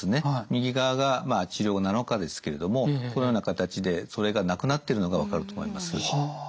右側が治療７日ですけれどもこのような形でそれがなくなってるのが分かると思います。